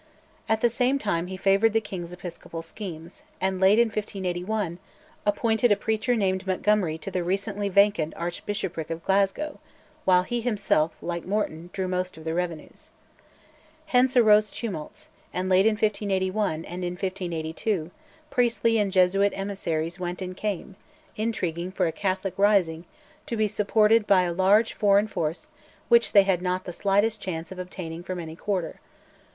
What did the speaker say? At the same time he favoured the king's Episcopal schemes, and, late in 1581, appointed a preacher named Montgomery to the recently vacant Archbishopric of Glasgow, while he himself, like Morton, drew most of the revenues. Hence arose tumults, and, late in 1581 and in 1582, priestly and Jesuit emissaries went and came, intriguing for a Catholic rising, to be supported by a large foreign force which they had not the slightest chance of obtaining from any quarter.